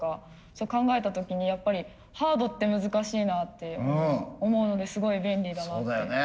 そう考えた時にやっぱりハードって難しいなって思うのですごい便利だなって。